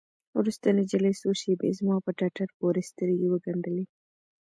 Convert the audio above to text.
وروسته نجلۍ څو شېبې زما په ټټر پورې سترګې وگنډلې.